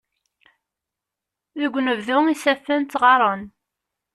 Deg unebdu isaffen ttɣaren.